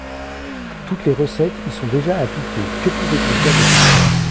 Toutes les recettes y sont déjà appliquées, que pouvait-on faire de plus ?